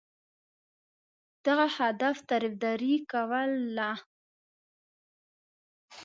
دغه هدف طرفداري کوله.